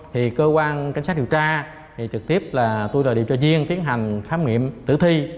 thì cơ quan cảnh sát điều tra thì trực tiếp là tôi là điều tra viên tiến hành khám nghiệm tử thi